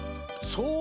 そう